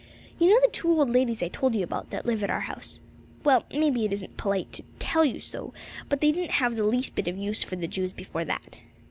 You know the two old ladies I told you about, that live at our house. Well, may be it isn't polite to tell you so, but they didn't have the least bit of use for the Jews before that.